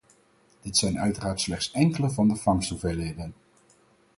Dit zijn uiteraard slechts enkele van de vangsthoeveelheden.